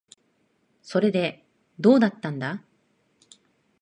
それで、どうだったんだ。